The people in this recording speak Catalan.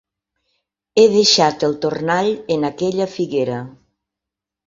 He deixat el tornall en aquella figuera.